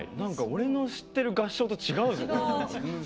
俺の知ってる合唱と違う。